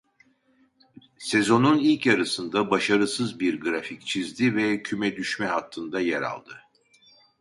Sezonun ilk yarısında başarısız bir grafik çizdi ve küme düşme hattında yer aldı.